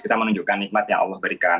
kita menunjukkan nikmat yang allah berikan